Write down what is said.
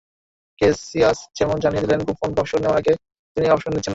Cassius যেমন জানিয়ে দিলেন, বুফন অবসর নেওয়ার আগে তিনি অবসর নিচ্ছেন না।